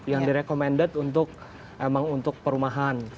yang di recommended untuk emang untuk perumahan